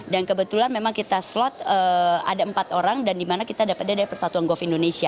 dan kebetulan memang kita slot ada empat orang dan di mana kita dapatnya dari persatuan goff indonesia